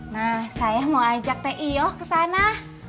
nah saya mau ajak t i o ke sana